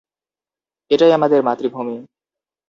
এটাই আমাদের মাতৃভূমি।